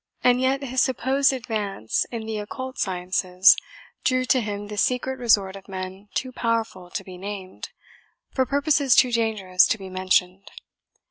And yet his supposed advance in the occult sciences drew to him the secret resort of men too powerful to be named, for purposes too dangerous to be mentioned.